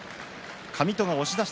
上戸、押し出し。